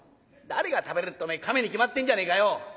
「誰が食べるってお前亀に決まってんじゃねえかよ」。